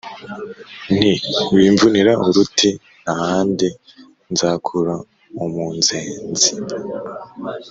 nti: Wimvunira uruti nta handi nzakura umunzenzi;